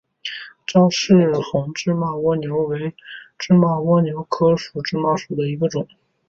赵氏红芝麻蜗牛为芝麻蜗牛科芝麻蜗牛属下的一个种。